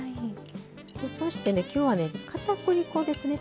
そして、きょうはかたくり粉ですね。